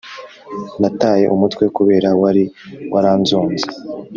Nataye umutwe kubera wari waranzonze